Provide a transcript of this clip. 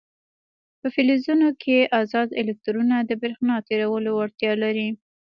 په فلزونو کې ازاد الکترونونه د برېښنا تیرولو وړتیا لري.